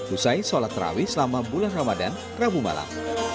usai sholat terawih selama bulan ramadan rabu malam